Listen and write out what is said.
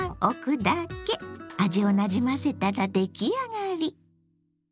味をなじませたら出来上がり。